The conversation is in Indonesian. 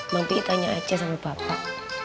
mampi tanya aja sama bapak